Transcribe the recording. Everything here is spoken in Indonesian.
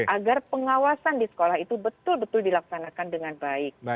agar pengawasan di sekolah itu betul betul dilaksanakan dengan baik